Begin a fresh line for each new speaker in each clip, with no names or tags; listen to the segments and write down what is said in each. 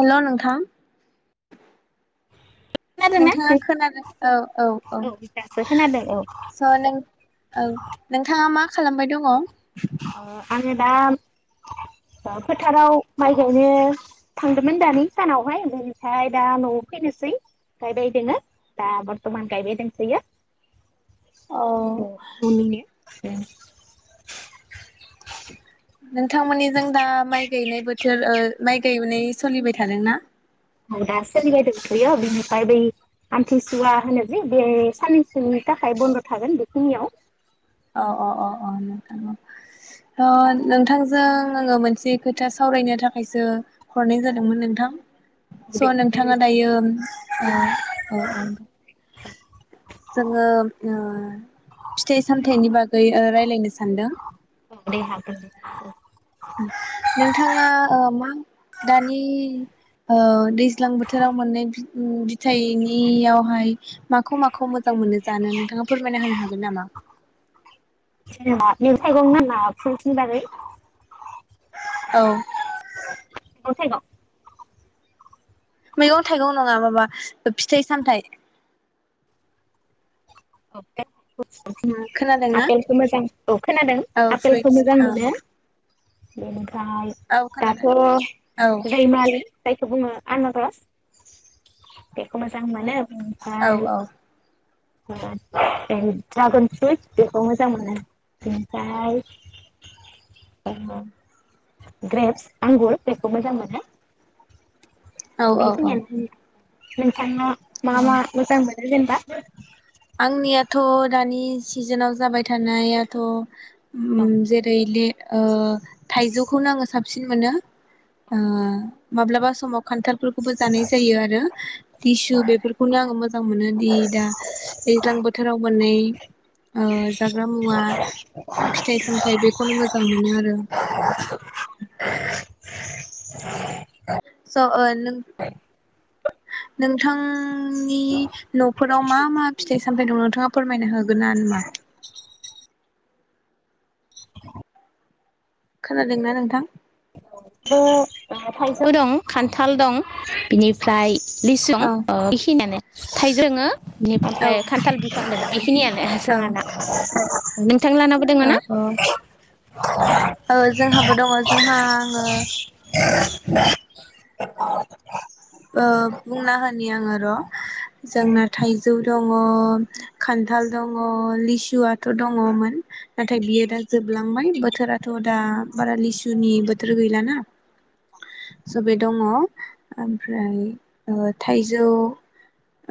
हेल नोंथां
खोनादोंना
नोंथाङा
नों
खोनानो औ औ औ
दासो खोनादों औ
स नों औ नोंथाङा मा खालामबाय दंङ
अ आङो दा फोथाराव माइ गायनो थांदोंमोन दानि सानावहाय बेनिफ्राय दा नआव फैनोसै गायबाय दोङो । दा बरथमान गायबाय दोंसोयो । [unintelligible] ए
नोंथांमोननि जों दा माइ गायनाय बोथोर ओ माइ गायनाय सोलिबाय थादोंना?
औ दा सोलिबायदोंथयो बिनिफ्राय बै आमथिसुवा होनो जि बे सान सोनि थाखाय बन्द थागोन । [unintelligible]
अ अ अ अ नोंथां अ थ नोंथांजों आङो मोनसे खोथा सावरायनो थाखायसो हरनाय जादोंमोन नोंथां । स
दे
नोंथाङा
रायलायजागोन
दायो
दे
ओ औ औ जोङो ओ फिथाइ सामथायनि बागै रायलायनो सानदों
औ दे हागोन दे
। नोंथाङा ओ मा दानि ओ दैज्लां बोथोराव मोनाय बिथाइनियावहाय माखौ माखौ मोजां मोनो जानो नोंथाङा फोरमायना होनो हागोन नामा?
जेनबा मैगं थायगं [unintelligible] बारै
औ
[unintelligible]
मैगं थाइगं नङा माबा फिथाइ सामथायाइ
अ [unintelligible] आङो
खोनादोंना?
आफेलखौ मोजां औ खोनादों
औ
आफेलखौ
फ्रुइटस
मोजां
औ
मोनो । उम दा
औ
दाथ
खोनादों औ
रैमालि‌ जायखौ बुङो आनारस, बेखौ मोजां मोनो ।
औ
ओमफाय
औ
ए ड्रागन फ्रुइटस बेखौ मोजां मोनो बेनिफ्राय ग्रेप्स आंगुर बेखौ मोजां मोनो ।
औ औ औ
बेखिनियानसै नोंथांङा
औ
मामा मोजां मो जेनबा
आंनियाथ' दानि सिजोनाव जाबाय थानायाथ'
औ
उम जेरै ले ओ थाइजौखौनो आङो साबसिन मोनो ओ माब्लाबा समाव खान्थालफोरखौबो जानाय जायो आरो टिसु बेफोरखौनो आङो मोज [unintelligible] मोनो दि दा दैज्लां बोथोराव मोननै ओ जा जाग्रा मुवा फिथाइ सामथाय बेखौनो मोजां मोनो आरो स' ओ नों नोंथां थांनि न'फोराव मा मा फिथाइ सामथाय दं नोंथाङा फोरमायना होग गोनान मा
[inaudible]
खोनादोंना नोंथां?
ओ थाइजौ दं खान्थाल दं बिनिफ्राय लिसुं
औ
बेखिनियानो थाइजोङो
औ
बेनिफ्राय खान्थाल बिफां दों बिखिनियानो
औ
जोङाना [unintelligible] थां लाहानावबो दोंङो
औ
ना?
औ ओ जोंहाबो दङ जोंहा आङो
[inaudible]
ओ बुंना होनि आङो र' जोंना थाइजौ दङ खान्थाल दङ लिसुआथ' दङमोन नाथाय बियो दा जोबलांबाय बोथोराथ' दा बारा लिसुनि बोथोर गैलाना स' बे दङ ओम ओमफ्राय ओ थाइजौ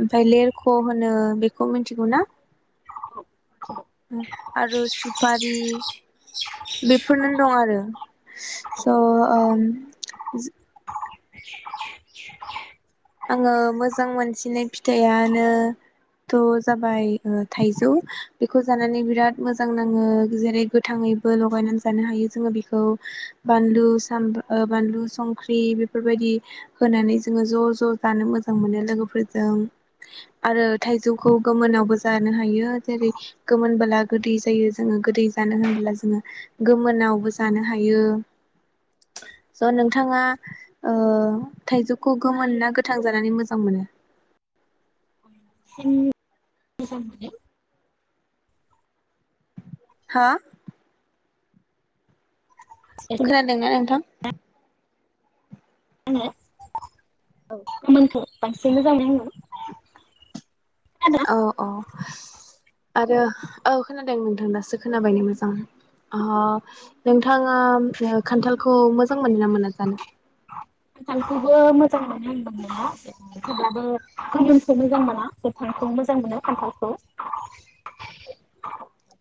ओमफाय लेरख' होनो बेखौ मिथिगौ ना? आरो सुफारि बेफोरनो दं आरो स' ओम जो आङो मोजां मोनसिनाय फिथाइानो थ' जाबाय थाइजौ बेखौ जानानै बिराद मोजां नाङो जेरै गोथाङैबो लगायनानै जानो हायो जोङो बेखौ बानलु सामब्राम ओ बानलु संख्रि बेफोरबायदि होनानै जोङो ज' ज' ज' जानो मोजां मोनो लोगोफोरजों आरो थाइजौखौ गोमोनावबो जानो हायो जेरै गोमोनबोला गोदै जायो जोङो गोदै जानो होनबोला जोङो गोमोनावबो जानो हायो स' नोंथाङा ओ थाइजौखौ गोमोन ना गोथां जानानै मोजां मोनो?
[unintelligible] मोनो
हो खोनादोंना नोंथां?
आङो औ गोमोनखौ बांसिन मोजां [unintelligible]
औ अ आरो औ खोनादों नोंथां दासो खोनाबायनो मोजां अ नोंथाङा ओ खान्थाल खौ मोजां मोनो ना मोना जानो?
बो मोजां मोनो [unintelligible] मोना थेवबो गोमोनखौ मोजां मोना गोथांखौ मोजां मोनो खान्थालखौ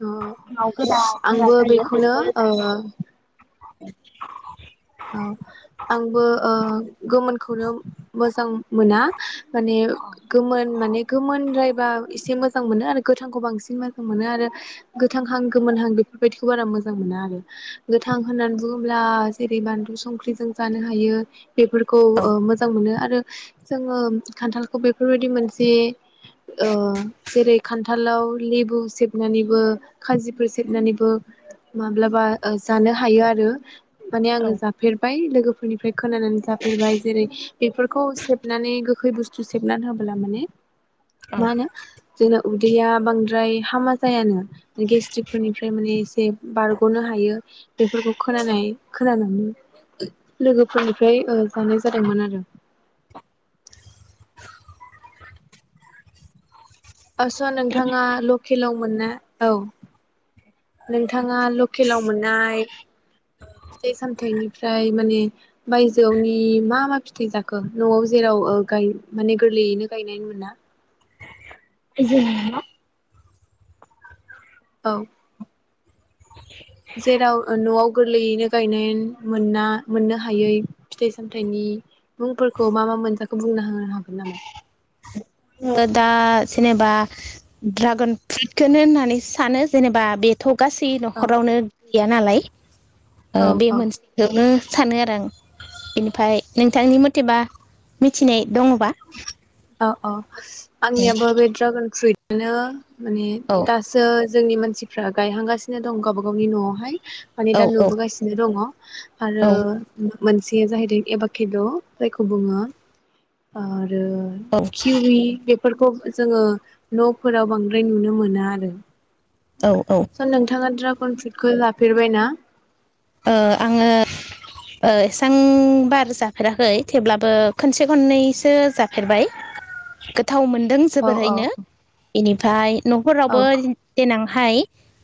अ
[unintelligible] गोरा गोरा
आंबो
जायो बेखौनो
ओ
जायो। [inaudible]
औ खौनो मोजां मोना माने गोमोन माने गोमोनद्राय बा एसे मोजां मोनो आरो गोथांखौ बांसिन मोजां मोनो आरो गोथांहां गोमोनहां बेफोरबायदिखौ बारा मोजां मोना आरो गोथां होननानै बुङोब्ला जेरै बानलु संख्रिजों जानो हायो बेफोरखौ
औ
ओ मोजां मोनो आरो आरो जोङो खान्थालखौ बेफोरबायदि मोनसे ओ जेरै खान्थालाव लेबु सेबनानैबो खाजिफोर सेबनानैबो माब्लाबा जानो हायो आरो माने
औ
आङो जाफेरबाय [unintelligible] खोनानानै जाफेरबाय जेरै बेफोरखौ सेबनानै गोखै बुस्थु सेबनानै होब्ला माने
औ
मा होनो उदैया बांद्राय हामा जायानो। गेस्टिक फोरनिफ्राय माने एसे बारग'नो हायो। बेफोरखौ खोनानाय खोनानानै लोगोफोरनिफ्राय ओ जानाय जादोंमोन आरो आदसा नोंथाङा
बेनिफ्राय
लकेलाव मोनना औ नोंथाङा लकेलाव मोननाय फिथाइ सामथायनिफ्राय माने बायजोआवनि मा मा फिथाइ जाखो न'आव जेराव माने गोरलैयैनो गायनाय मोना।
[unintelligible]
औ जेराव न'आव गोरलैयैनो गायनाय मोनना मोननो हायै फिथाइ सामथायाइनि मुंफोरखौ मा मा मोनजाखौ बुंना होनो हागोन नामा
आङो दा जेनेबा ड्रागन फ्रुइटखौनो होननानै सानो जेनेबा बेथ' गासै
औ
न'खरावनो गैया नालाय ओ
औ
बे
औ
मोनसेखौनो सानो आरो आं बेनिफ्राय नोंथांनि मथेबा मिथिनाय दङबा
औ औ आंनियाबो बे ड्रागन फ्रुइट बिदिनो माने
औ
दासो जोंनि मानसिफ्रा गायहांगासिनो दं गावबा गावनि न'आवहाय। माने
औ
दा
औ
नुबोगासिनो दङ आरो
औ
मोनसेया जाहैदों एबाखे द' जायखौ बुङो । ओ आरो
औ
किउयि बेफोरखौ जोङो न'फोराव बांद्राय नुनो मोना आरो ।
औ ओ
स' नोंथाङा द्रा फ्रुइटखौ जाफेरबायना?
आंङो एसेबां बार जाफेराखै थेवब्लाबो खनसे खननैसो जाफेरबाय‌ । गोथाव मोनदों
औ औ
जोबोरैनो बेनि ओमफ्राय
औ
न'खरावबो देनां हाय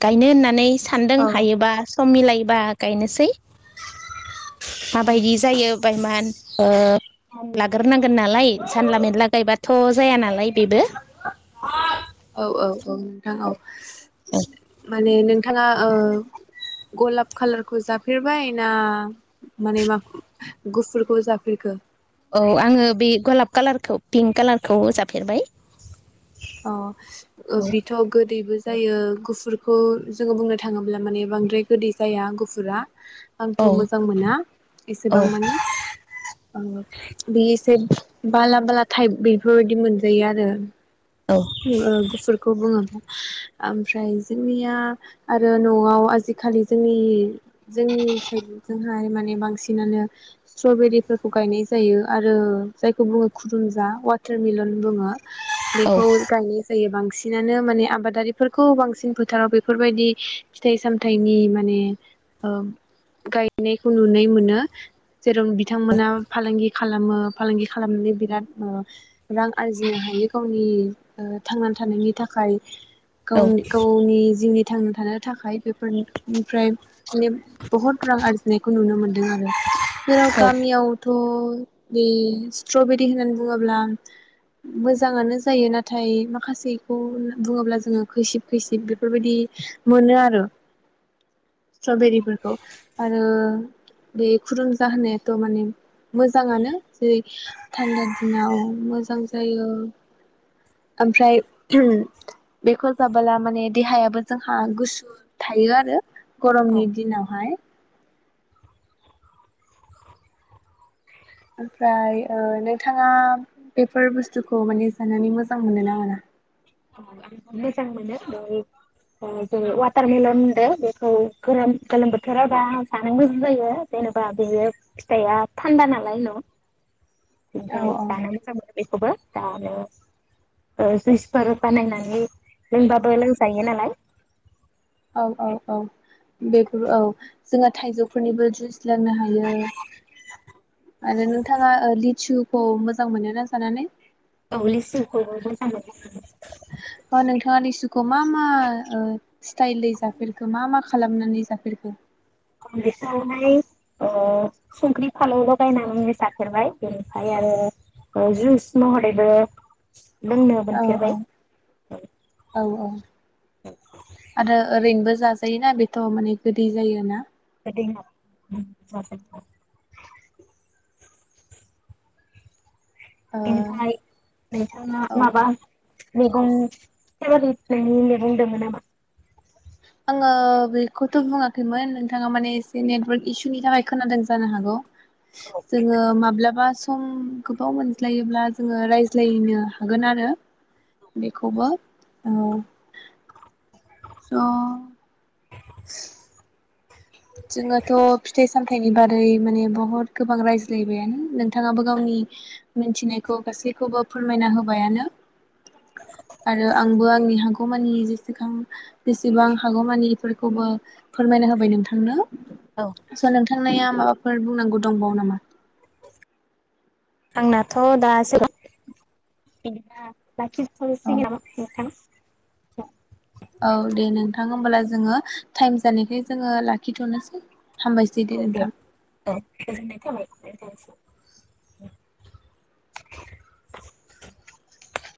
गायनो होननानै सान्दों
औ
हायोबा सम मिलायबा । गायनोसै । माबायदि जायो बाहायमान ओ लाग्रोनांगोन नालाय जानला मेनला गायबाथ' जाया नालाय बेबो ।
औ औ। औ नोंथां औ । माने नोंथांङा ओ गलाब कालारखौ जाफेरबाय ना माने मा गुफुरखौ जाफेरखो?
औ आंङो बे गलाब कालारखौ पिंक कालारखौ जाफेरबाय ।
अ बेथ' गोदैबो । जायो गुफुरखौ जोंङो बुंनो थाङोब्ला माने बांद्राय गोदै जाया गुफुरा ।
औ
आंथ' मोजां मोना
औ
एसेबां मानि ओ बे जे बाला बाला टाइप बेफोर बायदि मोनजायो आरो । गुफुरखौ बुङो । ओमफ्राय जोंनिया आरो न'आव आजि खालि जोंनि जोंनि साइडजोंहाय माने बांसिनानो स्ट्रबेरिफोरखौ गायनाय जायो आरो जायखौ बुङो खुदुमजा वाटार मेलन बुङो ।
औ
बेखौ' जायो बांसिनानो माने आबादारिफोरखौ बांसिन फोथाराव बेफोर बायदि फिथाइ सामथाइनि माने गायनायखौ नुनाय मोनो । जेरावनो बिथांमोना फालांगि खालामो फालांगि खालामनानै बिराद ओ रां आरजिनो हायो गावनि थांनानै थानायनि थाखाय । गाव गावनि जिउनि थांना थानो थाखाय बेफोरनिफ्राय माने बहुद रां आरजिनाय खौ नुनो मोनदों आरो जेराव
औ औ
गामियावथ' [unintelligible] स्ट्रबेरि होननानै बुङोब्ला मोजाङानो जायो ना थाय माखासेखौ बुङोब्ला जोङो खैसिब खैसिब बेफोरबायदि मोनो आरो स्ट्रबेरिफोरखौ आरो बे खुरुमजा होनायाथ' माने मोजाङानो जेरै थान्दा दिनाव मोजां जायो। ओमफ्राय [unintelligible] बेखौ जाबोला माने देहायाबो जोंहा गुसु थायो आरो
औ
गरमनि दिनावहाय। ओमफ्राय ओ नोंथाङा बेफोर बुस्थुखौ माने जानानै मोजां मोनो ना मोना?
मोजां मोनो बे ओ जेरै वाटारमेलन होनदों बेखौ गोरान गोलोम बोथोराव दा जानो मोजां जायो जेनोबा बेयो फिथाइया थान्दा नालाय न'
औ
जाय
औ
जानो मोजां मोनो बेखौबो जानो ओ जुच फोर बानायनानै लोंबाबो लोंजायो नालाय।
औ औ औ बेफोर औ जोंहा थाइजौफोरनिबो जुच लोंनो हायो आरो नोंथाङा ओ लिचुखौ मोजां मोनोना जानानै?
औ लेसुखौबो जानो मोजां मोनो।
अ नोंथाङा लिसुखौ मा मा ओ स्टाइलै जाफेरखो मा मा खालामनानै जाफेरखो?
बेखौवहाय ओ संख्रि फानलौ लगायनानै जाफेरबाय बेनिफ्राय आरो जुइस महरैबो लोंनो
औ औ
मोनफेरबाय।
औ औ आरो ओरैनोबो जाजायोना बेथ' माने गोदै जायोना?
[unintelligible]
ओ
बेनिफ्राय नोंथाङा
औ
माबा मैगं [unintelligible] नोंनि मैगं दङ नामा?
आङो बेखौथ' बुङाखैमोन नोंथाङा माने एसे नेटवार्क इसुनि थाखाय खोनादों जानो हागौ। जोङो माब्लाबा सम गोबाव मोनज्लायोब्ला जोङो रायज्लायनो हागोन आरो बेखौबो औ। स' जोङोथ' फिथाइ सामथायाइनि बारै माने बहुत गोबां रायज्लायबायानो नों थाङाबा गावनि मिथिनायखौ गासैखौबो फोरमायना होबायानो आरो आंबो आंनि हागौमानि जेसेखां बेसेबां हागौमानिफोरखौबो फोरमायना होबाय नोंथां नोंनो
औ
सोलों थांनाया माबाफोर बुंनांगौ दंबावो नामा?
आंनाथ' दासो [unintelligible] बाखिथ'
औ
[unintelligible] नोंथां [unintelligible]
औ दे नोंथां होमबला जोङो टाइम जानायखाय जोङो लाखिथ'नोसै। हामबायसै
औ दे
नोंथां
औ गोजोननाय थाबाय। [unintelligible]